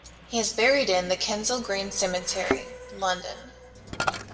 He is buried in the Kensal Green Cemetery, London.